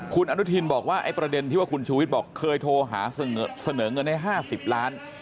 คุณอนุทินบอกว่าไอ้ประเด็นที่ว่าคุณชูวิทย์บอกเคยโทรหาเสนอเงินให้๕๐ล้าน